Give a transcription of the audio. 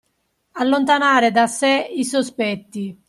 Allontanare da sé i sospetti